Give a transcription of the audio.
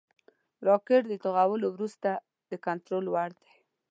راکټ د توغولو وروسته د کنټرول وړ دی